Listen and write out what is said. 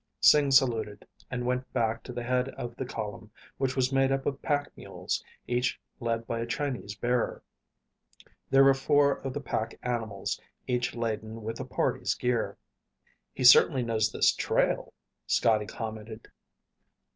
Sing saluted and went back to the head of the column, which was made up of pack mules, each led by a Chinese bearer. There were four of the pack animals, each laden with the party's gear. "He certainly knows this trail," Scotty commented.